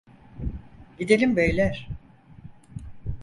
Gidelim beyler!